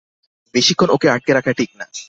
বেশিক্ষণ ওঁকে আটকে রাখা ঠিক না।